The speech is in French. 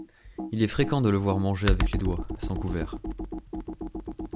Il est fréquent de le voir mangé avec les doigts, sans couverts.